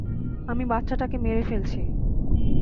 আমি বাচ্চাটাকে মেরে ফেলছি।